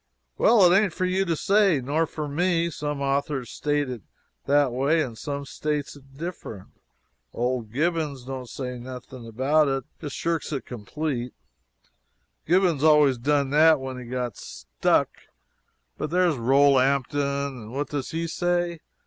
"Well, it ain't for you to say, nor for me. Some authors states it that way, and some states it different. Old Gibbons don't say nothing about it just shirks it complete Gibbons always done that when he got stuck but there is Rolampton, what does he say?